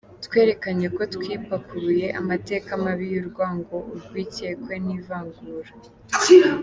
Twerekanye ko twipakuruye amateka mabi y’urwango, urwikekwe n’ivangura.